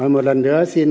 một lần nữa xin